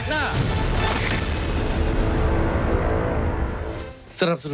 ชูเว็ตกำบลพิสิน